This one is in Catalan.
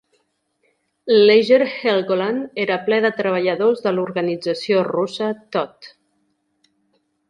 "Lager Helgoland" era ple de treballadors de l'organització russa Todt.